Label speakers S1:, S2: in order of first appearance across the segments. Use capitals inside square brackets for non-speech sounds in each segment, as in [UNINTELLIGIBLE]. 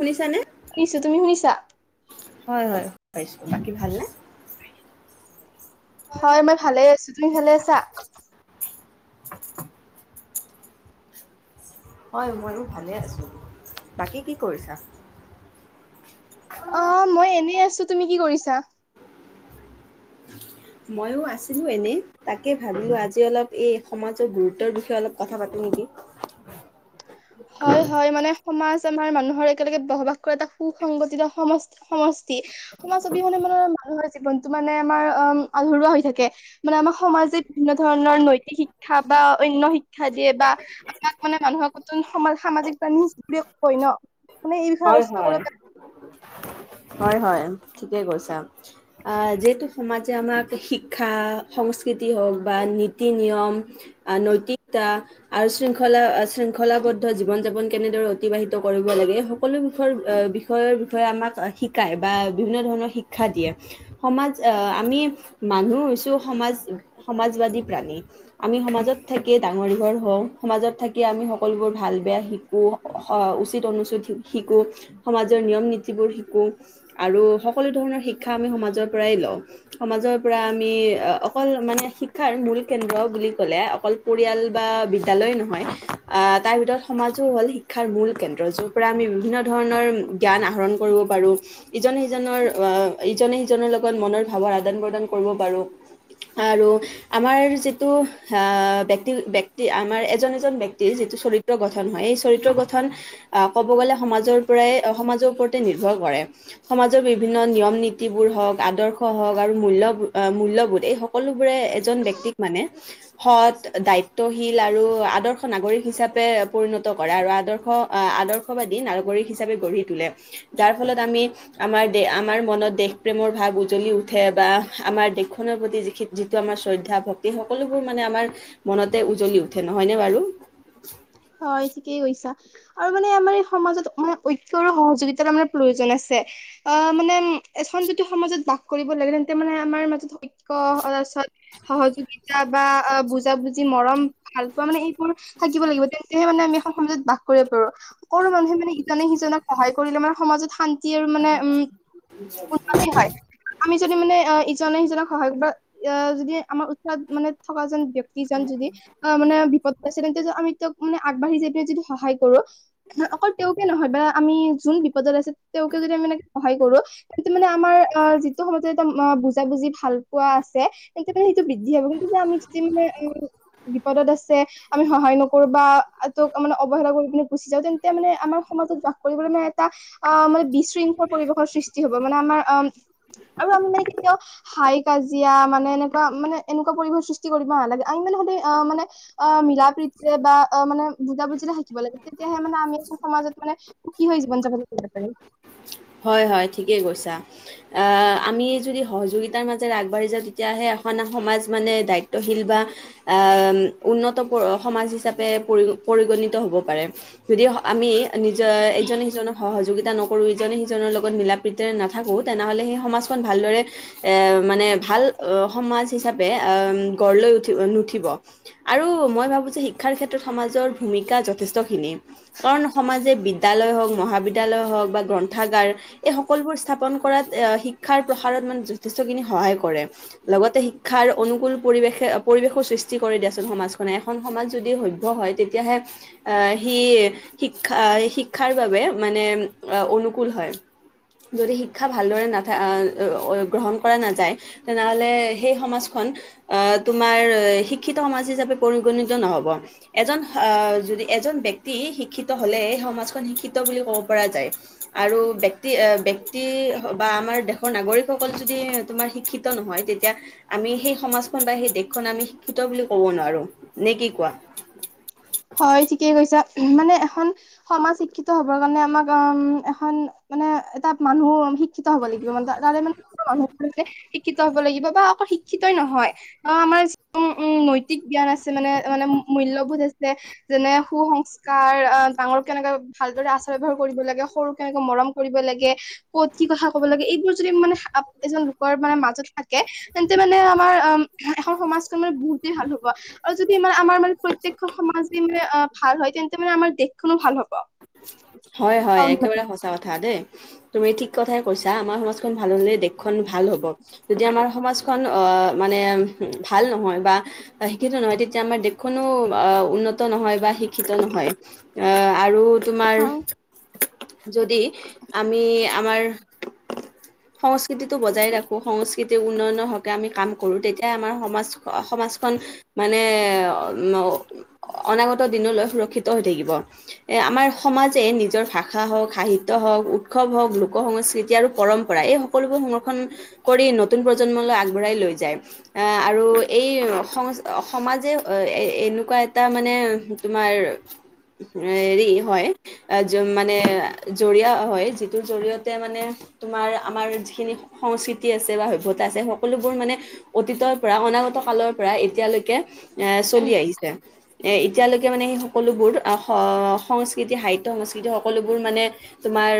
S1: শুনিছানে?
S2: শুনিছো, তুমি শুনিছা?
S1: হয় হয় পাইছো। বাকী ভালনে?
S2: হয় মই ভালে আছো। তুমি ভালে আছা?
S1: হয় ময়ো ভালে আছোঁ। বাকী কি কৰিছা?
S2: অ' মই এনেই আছো। তুমি কি কৰিছা?
S1: ময়ো আছিলোঁ এনেই তাকে ভাবিলোঁ আজি অলপ এই সমাজৰ গুৰুত্বৰ বিষয়ে অলপ কথা পাতোঁ নেকি। [INAUDIBLE]
S2: হয় হয় মানে সমাজ আমাৰ মানুহৰ একেলগে বসবাস কৰা এটা সু-সংগঠিত সমষ্ সমষ্টি। সমাজ অবিহনে মানে মানুহৰ জীৱনটো মানে আমাৰ অম আধৰুৱা হৈ থাকে। মানে আমাৰ সমাজে বিভিন্ন ধৰণৰ নৈতিক শিক্ষা বা অন্য শিক্ষা দিয়ে বা তাক মানে মানুহৰ কুতুন সমা সামাজিক প্ৰাণী হিচাপেও কয় ন মানে এই বিষয়ে
S1: হয়
S2: আলোচনা
S1: হয়,
S2: কৰি
S1: হয় হয়, ঠিকে কৈছা। আ যিহেতু সমাজে আমাক শিক্ষা, সংস্কৃতি হওঁক বা নীতি নিয়ম আ নৈতিকতা। আৰু শৃংখলা আ শৃংখলাবদ্ধ জীৱন যাপন কেনেদৰে অতিবাহিত কৰিব লাগে, স সকলো বিষয়ৰ বিষয়ৰ বিষয়ে আমাক শিকায় বা বিভিন্ন ধৰণৰ শিক্ষা দিয়ে। সমাজ আহ আমি মানুহ হৈছো সমাজ সমাজবাদী প্ৰাণী। আমি সমাজত থাকিয়ে ডাঙৰ দীঘল হওঁ সমাজত থাকিয়ে আমি সকলোবোৰ ভাল বেয়া শিক শিকো অহ, উচিত অনুচিত শিকো, সমাজৰ নিয়ম নীতিবোৰ শিকো। আৰু সকলো ধৰণৰ শিক্ষা আমি সমাজৰ পৰাই লওঁ। সমাজৰ পৰা আমি অকল মানে শিক্ষাৰ মূল কেন্দ্ৰ বুলি ক'লে অকল। পৰিয়াল বা বিদ্য়ালয় নহয় আহ তাৰ ভিতৰত সমাজো হ'ল শিক্ষাৰ মূল কেন্দ্ৰ যৰ পৰা আমি। বিভিন্ন ধৰণৰ জ্ঞান আহৰণ কৰিব পাৰোঁ। ইজনে সিজনৰ আহ ইজনে সিজনৰ লগত মনৰ ভাৱৰ আদান প্ৰদান কৰিব পাৰো। আৰু আমাৰ যিটো ব্যক্তি ব্যক্তি আমাৰ এজন এজন। যিটো চৰিত্ৰ গঠন হয় এই চৰিত্ৰ গঠন আহ। ক'ব গ'লে সমাজৰ পৰাই সমাজৰ ওপৰতে নিৰ্ভৰ কৰে। সমাজৰ বিভিন্ন নিয়ম নীতিবোৰ হওঁক আদৰ্শ হওক আৰু মূল্যব মূল্যবোধ এই হ। সকলোবোৰে এজন ব্যক্তিক মানে। সৎ দায়িত্বশীল আৰু আদৰ্শ নাগৰিক হিচাপে পৰিণত কৰে আৰু আদৰ্শ। আহ আদৰ্শবাদী নাগৰিক হিচাপে গঢ়ি তোলে যাৰ ফলত আমি। আমাৰ দ আমাৰ মনত দেশ প্ৰেমৰ ভাৱ উজ্বলি উঠে বা আমাৰ দেশখনৰ প্ৰতি যিখিন। যিটো আমাৰ শ্ৰদ্ধা ভক্তি সকলোবোৰ মানে আমাৰ মনতে উজ্বলি উঠে নহয়নে বাৰু।
S2: হয়, ঠিকেই কৈছা। আৰু মানে আমাৰ এই সমাজত মানে ঐক্যৰ সহযোগিতাৰ আমাৰ প্ৰয়োজন আছে। অ মানে এখন যতি সমাজত বাস কৰিব লাগে তেন্তে মানে আমাৰ মাজত। ইক [UNINTELLIGIBLE] সহযোগিতা বা বুজা বুজি মৰম ভাল পোৱা মানে এইবোৰ। থাকিব লাগিব তেন্তেহে মানে আমি। সমাজত বাস কৰিব পাৰো সকলো মানুহে মানে ইজনে সিজনক সহায় কৰিলে মানে সমাজত শান্তি। আৰু মানে উ উন্নতি হয়। আমি যদি মানে ইজনে সিজনক সহায় বা এ যদি আমাৰ উৎসাহ মানে থকা যেন ব্যক্তি। যদি আহ মানে বিপদ আছে তেন্তে আমি তেওঁক মানে আগবাঢ়ি যাই পিনে যদি সহায় কৰো। অকল তেওঁকে নহয় বা আমি যোন বিপদত আছে তেওঁকে যদি আমি এনেকে সহায় কৰো। সেইটো মানে আমাৰ অ যিটো সময়তে এটা বুজা বুজি ভাল। কোৱা আছে তেন্তে মানে সেইটো বৃদ্ধি হাব কিন্তু যে আমি যদি মানে এ বিপদত আছে। আমি সহায় নকৰো বা তোক মানে অৱহেলা কৰি কিনে। গুচি যাওঁ তেন্তে মানে আমাৰ সমাজত বাস কৰিবলৈ মানে এটা। অ' মানে বিশৃংখল পৰিৱেশৰ সৃষ্টি হ'ব মানে আমাৰ অ' আৰু আমাৰ মানে কেতিয়াও। হাই কাজিয়া মানে এনেকুৱা মানে এনেকুৱা পৰিৱেশৰ সৃষ্টি কৰিব নালাগে আমি মানে [UNINTELLIGIBLE] অ' মানে। অ' মিলা প্ৰীতিৰে বা অ' মানে বুজাবুজিৰে থকিব লাগে তেতিয়াহে মানে আমি এখন সমাজত মানে। সুখী হৈ জীৱন জাপন কৰিব পাৰিম।
S1: হয় হয় ঠিকেই কৈছা। অ' আমি যদি সহযোগিতাৰ মাজেৰে আগবাঢ়ি যাওঁ তেতিয়াহে এখন সমাজ মানে দায়িত্বশীল বা। অ' উন্নত সমাজ হিচাপে পৰি পৰিগণিত হ'ব পাৰে। যদি আমি নিজৰ ইজনে সিজনৰ সহযোগিতা নক। সৰু ইজনে সিজনৰ লগত মিলা প্ৰীতেৰে নাথাকোঁ তেনেহ'লে সেই সমাজখন ভালদৰে। এ মানে ভাল সমাজ হিচাপে আহ গঢ় লৈ উঠি নুঠিব। আৰু মই ভাবোঁ যে শিক্ষাৰ ক্ষেত্ৰত সমাজৰ ভূমিকা যথেষ্টখিনি। কাৰণ সমাজে বিদ্য়ালয় হওক মহাবিদ্যালয় হওক বা। গ্ৰন্থাগাৰ এই সকলোবোৰ স্থাপন কৰাত শিক্ষাৰ প্ৰসাৰত মানে যথেষ্টখিনি সহায় কৰে। লগতে শিক্ষাৰ অনুকুল পৰিৱেশে পৰিৱেশো সৃষ্টি কৰি দিয়াচোন সমাজখনে এখন সমাজ যদি সভ্য হয় তে। তেতিয়াহে আহ সি শিক্ষা শিক্ষাৰ বাবে মানে। [UNINTELLIGIBLE] অনুকূল হয়। যদি শিক্ষা ভালদৰে নাথা গ্ৰহণ কৰা নাযায়, তেনেহ'লে সেই সমাজখন অ' তোমাৰ শিক্ষিত সমাজ হিচাপে পৰিগণিত নহ'ব। এজন অ' যদি এজন ব্যক্তি শিক্ষিত হ'লে সমাজখন শিক্ষিত বুলি ক'ব পৰা যায়। আৰু বক্তি এ ব্যক্তি বা আমাৰ দেশ দেশৰ নাগৰিকসকল যদি তোমাৰ শিক্ষিত নহয়। তেতিয়া আমি সেই সমাজখন বা সেই দেশখন আমি শিক্ষিত বুলি ক'ব নোৱাৰোঁ। নে কি কোৱা?
S2: হয়, ঠিকেই কৈছা। [UNINTELLIGIBLE] মানে এখন সমাজ শিক্ষিত হ'বৰ কাৰণে আমাক আ--ম এখন মানে এটা মানুহ শিক্ষিত হ'ব লাগিব [UNINTELLIGIBLE] শিক্ষিত হ'ব লাগিব বা আ শিক্ষিতই নহয়। অ' আমাৰ [UNINTELLIGIBLE] উম, উম, নৈতিক জ্ঞান আছে মানে, মানে মূল্যবোধ আছে। যেনে সুসংস্কাৰ ডাঙৰ কেনেকৈ ভালদৰে আচাৰ ব্যৱহাৰ কৰিব লাগে। সৰুক কেনেকৈ মৰম কৰিব লাগে। ক'ত কি কথা ক'ব লাগে, এইবোৰ যদি মানে এজন লোকৰ মানে মাজত থাকে। তেন্তে মানে আমাৰ আম এখন সমাজখন মানে বহুতেই ভাল হ'ব আৰু যদি ই আমাৰ মানে প্ৰত্যেক [UNINTELLIGIBLE] সমা এ ভাল হয়। তেন্তে মানে আমাৰ দেশখনো ভাল হ'ব।
S1: হয় হয়, একেবাৰে সঁচা কথা দেই। তুমি ঠিক কথাই কৈছা। আমাৰ সমাজখন ভাল হ'লে দেশখন ভাল হ'ব। যদি আমাৰ সমাজখন অ' মানে ভাল নহয় বা শিক্ষিত নহয় তেতিয়া আমাৰ দেশখনো আ' উন্নত নহয় বা শিক্ষিত নহয়। এ' আৰু তোমাৰ
S2: হয়
S1: যদি আমি আমাৰ সংস্কৃতিটো বজাই ৰাখো, সংস্কৃতিৰ উন্নয়নৰ হকে আমি কাম কৰো। তেতিয়া আমাৰ সমাজ অ সমাজখন মানে [UNINTELLIGIBLE] অনাগত দিনলৈ সুৰক্ষিত হৈ থাকিব, এ আমাৰ সমাজ [UNINTELLIGIBLE] নিজৰ ভাষা হওঁক সাহিত্য হওঁক, উৎসৱ হওঁক, লোক সংস্কৃতি আৰু পৰম্পৰা এই সকলোবোৰ সংৰক্ষণ কৰি নতুন প্ৰজন্মলৈ আগবঢ়াই লৈ যায়, আ' আৰু এই সং সমাজে এ এ এনেকুৱা এটা মানে তোমাৰ, হেৰি হয়। অ' [UNINTELLIGIBLE] মানে জৰিয়া হয়। যিটোৰ জৰিয়তে মানে তোমাৰ আমাৰ যিখিনি সংস্কৃতি আছে বা সভ্যতা আছে, সকলোবোৰ মানে অতীতৰ পৰা অনাগত কালৰ পৰা এতিয়ালৈকে এ চলি আহিছে। এ এতিয়ালৈকে মানে সেই সকলোবোৰ স সংস্কৃতি সাহিত্য সংস্কৃতি সকলোবোৰ মানে তোমাৰ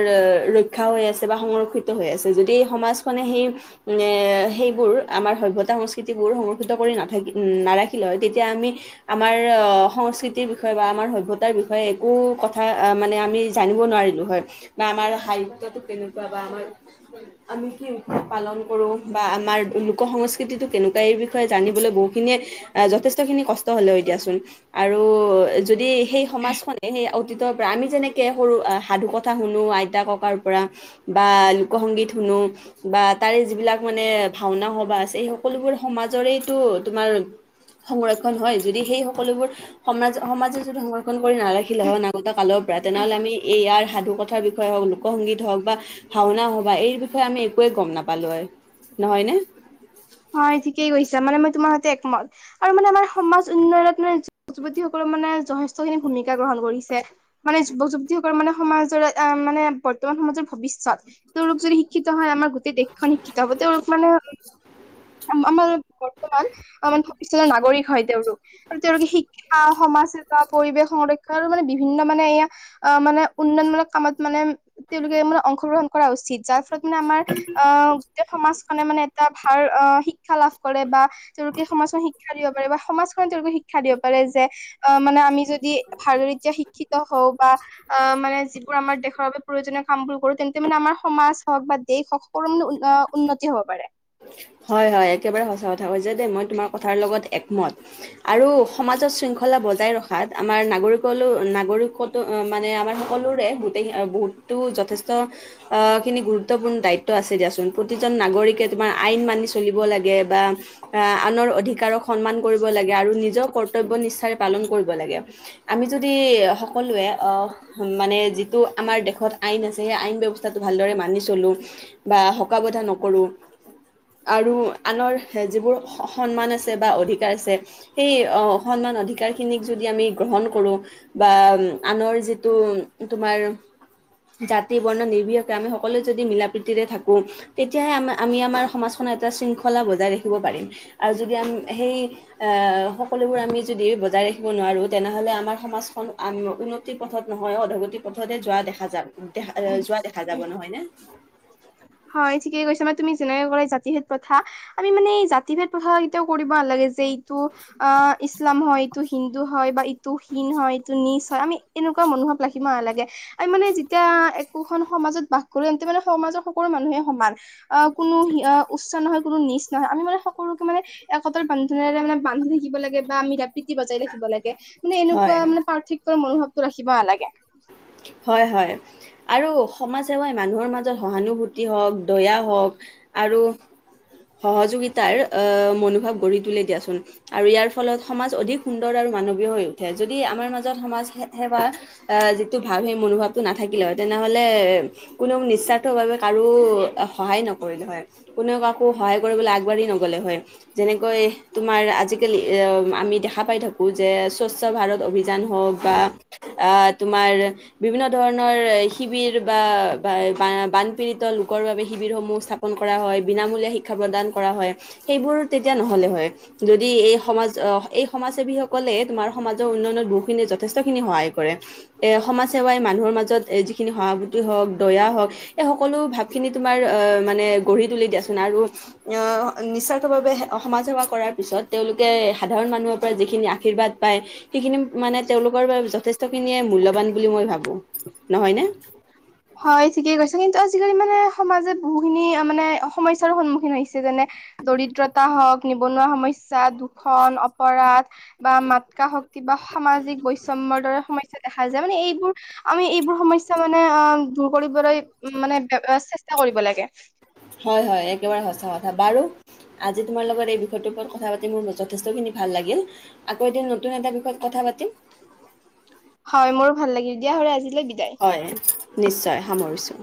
S1: ৰক্ষা হৈ আছে বা সংৰক্ষিত হৈ আছে। যদি সমাজখনে সেই মানে সেইবোৰ আমাৰ সভ্যতা সংস্ক স্থিতিবোৰ সংৰক্ষিত কৰি নাথাকি নাৰাখিলে হয়। তেতিয়া আমি আমাৰ অ সংস্কৃতিৰ বিষয়ে বা আমাৰ সভ্যতাৰ বিষয়ে একো ক কথা মানে আমি জানিব নোৱাৰিলো হয় বা আমাৰ সাহিত্যটো কেনেকুৱা বা আমাৰ আমি কি পালন কৰো বা আমাৰ লোক সংস্কৃতিটো কেনেকুৱা? এই বি বিষয়ে জানিবলৈ বহুখিনিয়ে যথেষ্ট খিনি কষ্ট হল হয় দিয়াচোন। আৰু যদি সেই সমাজখন সেই [UNINTELLIGIBLE] পৰা আমি যেনেকে সৰু সাধু কথা শুনো, আইতা ককাৰ পৰা বা লোকসংগীত শুনো, বা তাৰে যিবিলাক মানে ভাওনা সভা আছে। সেই সকলোবোৰ সমাজৰেইতো তোমাৰ সংৰক্ষণ হয়। যদি সেই সকলোবোৰ সমাজ সমাজে যদি সংৰক্ষণ কৰি নাৰাখিলে হয় [UNINTELLIGIBLE] [UNINTELLIGIBLE] তেনেহ'লে আমি এই ইয়াৰ সাধু কথাৰ বিষয়ে হওঁক, লোকসংগীত হওঁক বা ভাওনা সভা এই বিষয়ে আমি একোৱে গ'ম নাপালো হয় নহয় নে?
S2: হয়ঁ ঠিকেই কৈছা মানে মই তোমাৰ হতে একমত আৰু মানে আমাৰ সমাজ উন্নয়নত মানে যুৱতী সকললে মানে যথেষ্ট খিনি ভূমিকা গ্ৰহণ কৰিছে, মানে যুৱক যুৱতী সকলে তেওঁলোক মানে সমাজৰ এ মানে বৰ্তমান সমাজৰ ভৱিষ্যত, তেওঁলোক যদি শিক্ষিত হয় আমাৰ গো- গোটেই দেশখন শিক্ষিত হ'ব তেওঁলোক মানে আ আমাৰ বৰ্তমান আমাৰ ভৱিষ্যতৰ নাগৰিক হয় তেওঁলোক। আৰু তেওঁলোকে শিক্ষা সমাজ সেৱা পৰিৱেশ সংৰক্ষণ আৰু মানে বিভিন্ন মানে এয়া অঁ মানে উন্নয়নমূলক কামত মানে তেওঁলোকে মানে অংশগ্ৰহণ কৰা উচিত যাচ মানে আমাৰ আহ গোটেই সমাজখনে মানে এটা ভাল অঁ শিক্ষা লাভ কৰে বা। তেওঁলোকে সমাজখন শিক্ষা দিব পাৰে বা সমাজখনত তেওঁলোকে শিক্ষা দিব পাৰে যে- অঁ মানে আমি যদি ভালকে শিক্ষিত হওঁ বা আহ মানে যিবোৰ আমাৰ দেশৰ বাবে প্ৰয়োজনীয় কামবোৰ কৰো তেন্তে মানে আমাৰ সমাজ হওঁক বা দেশ হওঁক সকলো মানে উন্নতি হ'ব পাৰে।
S1: হয়ঁ হয়ঁ একেবাৰে সঁচা কথা কৈছে দেই মই তোমাৰ কথাৰ লগত একমত। আৰু সমাজত শৃংখলা বজাই ৰখাত আমাৰ নাগৰিকলো নাগৰিকত্ব ওম ওম মানে আমাৰ সকলোৰে গোটেই বহুতো যথেষ্ট। আহ খিনি গুৰুত্বপূৰ্ণ দায়িত্ব আছে দিয়াচোন প্ৰতিজন নাগৰিকে- তোমাৰ আইন মানি চলিব লাগে বা আনৰ অধিকাৰক সন্মান কৰিব লাগে আৰু নিজৰও কৰ্তব্য নিষ্ঠাৰে পালন কৰিব লাগে। আমি যদি সকলোৱে অহ মানে যিটো আমাৰ দেশত আইন আছে সেই আইন ব্যৱস্থাটো ভালদৰে মানি চলোঁ। বা হকাবধা নকৰো। আৰু আনৰ যিবোৰ সন্মান আছে বা অধিকাৰ আছে। সেই আসন্মান অধিকাৰ খিনিক যদি আমি গ্ৰহণ কৰোঁ- বা আনৰ যিটো তোমাৰ জাতি বৰ্ণ নিৰ্বিশিকে আমি সকলোৱে যদি মিলা প্ৰীতিৰে থাকো তেতিয়াহে আমাৰ আমি আমাৰ সমাজখননৰ এটা শৃংখলা বজাই ৰাখিব পাৰিম আৰু যদি আমি সেই- এ সকলোবোৰ আমি যদি বজাই ৰাখিব নোৱাৰোঁ তেনেহ'লে আমাৰ সমাজখন আন উন্নত উন্নতি পথত নহয় অধগতি পথতে যোৱা দেখা যাব দেখা যোৱা দেখা যাব নহয় নে?
S2: হয়ঁ ঠিকে কৈছা মই তুমি যেনেকে ক'লে জাতি ভেদ কথা আমি মানে জাতি ভেদ এতিয়াও কৰিব নালাগে যে যে এইটো অ ইছলাম হয়ঁ এইটো হিন্দু হয়ঁ বা তটো হীন হয় তটো নিজ হয় আমি এনেকুৱা মনোভাৱ ৰাখিব নালাগে আ মানে যেতিয়া একোখন সমাজত বাস কৰি তেতিয়া মানে সমাজৰ- সকলো মানুহে সমান আহ কোনো উচ্চ নহয় কোনো নিচ নহয় আমি মানে সকলোকে মানে একতাৰ বান্ধোনেৰে মানে বান্ধি থাকিব লাগে বাম প্ৰীতি বজাই ৰাকিব লাগে। মানে এনেকুৱা
S1: হয়
S2: মানে পাৰ্থক্যৰ মনোভাৱটো ৰাখিব নালাগে।
S1: হয়ঁ হয়ঁ! আৰু সমাজ সেৱাই মানুহৰ মাজত সহানুভূতি হওঁক দয়া হওঁক আৰু সহযোগিতাৰ এ মনোভাৱ গঢ়ি তোলি দিয়াচোন। আৰু ইয়াৰ ফলত সমাজ অধিক সুন্দৰ আৰু মানৱীয় হৈ উঠে যদি আমাৰ মাজত সমাজ সেৱা। আহ যিটো ভাৱ সেই মনোভাৱটো নাথাকিলে হয়ঁ তেনেহলে কোনো নিস্বাৰ্থ বাবে কাৰো সহায় নকৰিলে হয়ঁ। কোনেও কাকো সহায় কৰিবলৈ আগবাঢ়ি নগলে হয়ঁ। যেনেকৈ তোমাৰ আজিকালি আমি দেখা পাই থাকোঁ যে স্বচ্ছ ভাৰত অভিযান হওঁক। বাহ আ তোমাৰ- বিভিন্ন ধৰণৰ শিবিৰ বা বানপীড়িত লোকৰ বাবে শিবিৰ সমূহ ছাপ- কৰা হয় বিনামূলীয়া শিক্ষা প্ৰদান কৰা হয় সেইবোৰ তেতিয়া নহ'লে হয়। যদি এই সমাজ আহ এই সমাজ সেৱী সকলে তোমাৰ সমাজৰ উন্নয়নত বহুখিনি যথেষ্টখিনি সহায় কৰে। এ সমাজ- সেৱাই মানুহৰ মাজত যিখিনি সহাভুতি হওক দয়া হওক এই সকলো ভাৱখিনি তোমাৰ- মানে গঢ়ি তুলি দিয়াচোন আৰু- অঁ নিস্বাৰ্থভাৱে সমাজসেৱা কৰাৰ পিছত তেওঁলোকে সাধাৰণ মানুহৰ পৰা যিখিনি আশীৰ্বাদ পায়- সেইখিনি মানে তেওঁলোকৰ বাবে যথেষ্ট খিনিয়ে মূল্যবান বুলি মই ভাবো নহয় নে?
S2: হয় ঠিকেই কৈছে, কিন্তু আজিকালি মানে সমাজে বহুখিনি মানে সমস্যাৰো সন্মুখীন হৈছে যেনে- দৰিদ্ৰতা হওক নিবনুৱা সমস্যা দু- ষন অপৰাধ বা মাতকা শক্তি বা সামাজিক বৈষম্যৰ দৰে সম- স্যা দেখা যায় মানে এইবোৰ আমি এইবোৰ সমস্যা মানে অঁ' দূৰ কৰিবলৈ মানে চেষ্টা কৰিব লাগে।
S1: হয় হয়, একেবাৰে সঁচা কথা বাৰু- আজি তোমাৰ লগত এই বিষয়টোৰ ওপৰত কথা পাতি মোৰ যথেষ্টখিনি ভাল লাগিল। আকৌ এদিন নতুন এটা বিষয়ত কথা পাতিম।
S2: হয়, মোৰো ভাল লাগিল দিয়া হলে আজিলৈ বিদায়।
S1: হয়, নিশ্চয় সামৰিছোঁ।